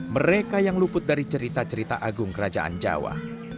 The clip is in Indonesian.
mereka yang luput dari cerita cerita agung kerajaan jawa